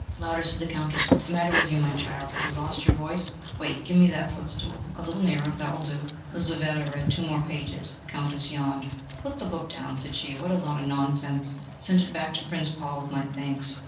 "Louder," said the Countess. "What is the matter with you, my child? Have you lost your voice? Wait give me that footstool a little nearer that will do." Lizaveta read two more pages. The Countess yawned. "Put the book down," said she: "what a lot of nonsense! Send it back to Prince Paul with my thanks...